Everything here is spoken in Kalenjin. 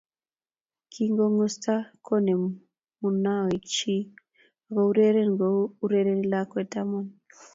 Kingongusta konem munaok chi akourerene kouye urereni lakwet tamtam